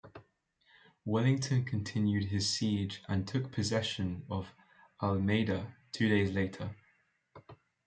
Wellington continued his siege and took possession of Almeida two days later.